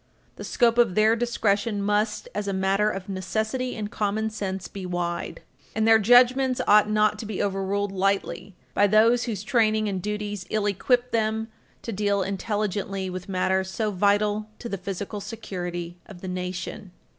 The scope of their discretion must, as a matter of necessity and common sense, be wide. And their judgments ought not to be overruled lightly by those whose training and duties ill equip them to deal intelligently with matters so vital to the physical security of the nation.